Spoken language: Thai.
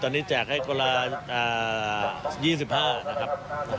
ตอนแรกแจกให้คนละ๒๐ตอนนี้แจกให้คนละ๒๕นะครับ